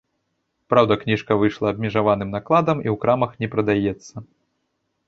Праўда, кніжка выйшла абмежаваным накладам і ў крамах не прадаецца.